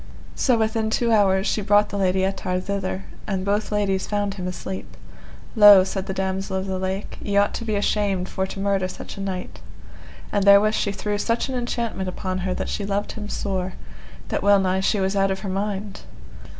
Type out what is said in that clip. So within two hours she brought the Lady Ettard thither, and both ladies found him asleep: Lo, said the Damosel of the Lake, ye ought to be ashamed for to murder such a knight. And therewith she threw such an enchantment upon her that she loved him sore, that well nigh she was out of her mind.